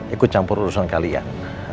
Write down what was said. ikut campur urusan kalian